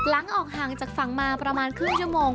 หลังออกห่างจากฝั่งมาประมาณครึ่งชั่วโมง